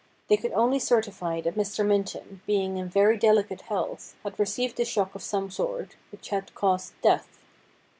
They could only certify that Mr. Minton, being in very delicate health, had received a shock of some sort, which had caused death.